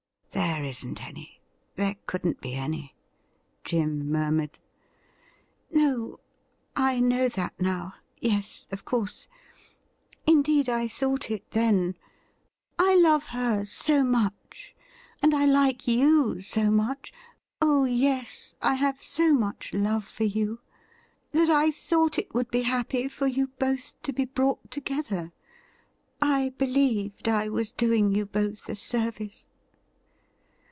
' There isn't any — ^there couldn't be any,' Jim murmured. 'No, I know that now — yes, of course; indeed, I thought it then. I love her so much, and I like you so much — oh yes, I have so much love for you — that I thought it would be happy for you both to be brought together. I believed I was doing you both a service.